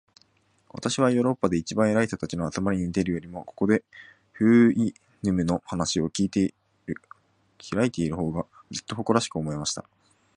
私はヨーロッパで一番偉い人たちの集まりに出るよりも、ここで、フウイヌムの話を開いている方が、ずっと誇らしく思えました。